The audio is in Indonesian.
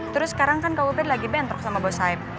terus sekarang kan ke ubed lagi bentrok sama bos saeb